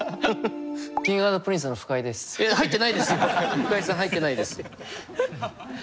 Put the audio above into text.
深井さん入ってないです。